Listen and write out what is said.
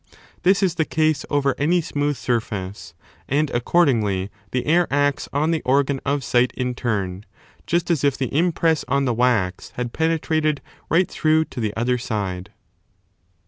This is the case over any smooth surface: and ac cordingly the air acts on the organ of sight in turn, just as if the impress on the wax had penetrated right through to the other side.